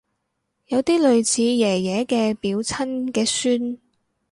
有啲類似爺爺嘅表親嘅孫